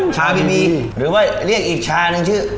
ชาบิมีนหรือว่าเรียกอีกชานึงชื่อ